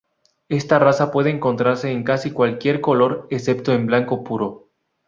Esta raza puede encontrarse en casi cualquier color excepto en blanco puro.